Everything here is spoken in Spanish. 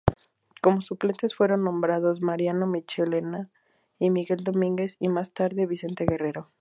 Como suplentes fueron nombrados Mariano Michelena y Miguel Domínguez, y más tarde, Vicente Guerrero.